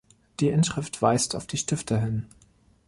Die Inschrift weist auf die Stifter hin.